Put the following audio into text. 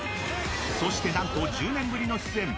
そしてなんと１０年ぶりの出演。